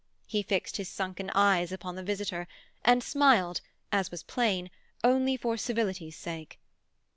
He fixed his sunken eyes upon the visitor, and smiled, as was plain, only for civility's sake.